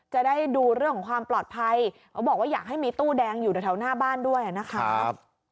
จะได้ดูเรื่องของความปลอดภัยเขาบอกว่าอยากให้มีตู้แดงอยู่แถวหน้าบ้านด้วยนะครับ